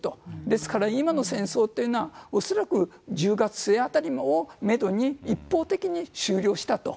ですから、今の戦争っていうのは、恐らく１０月末あたりをメドに一方的に終了したと。